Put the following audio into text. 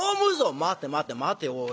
「待て待て待ておい。